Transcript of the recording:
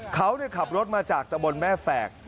เขาขับรถมาจากตะบนแม่แฝก